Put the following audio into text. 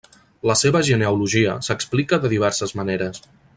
La seva genealogia s'explica de diverses maneres.